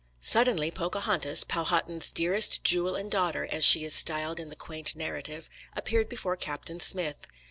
Suddenly Pocahontas, Powhatan's "dearest jewel and daughter," as she is styled in the quaint narrative, appeared before Captain Smith.